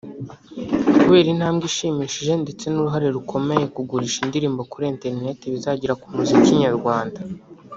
Kubera intambwe ishimishije ndetse n’uruhare rukomeye kugurisha indirimbo kuri Internet bizagira ku muziki nyarwanda